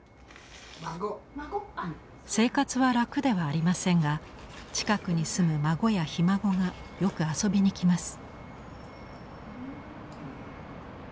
生活は楽ではありませんが近くに住む孫やひ孫がよく遊びに来ます。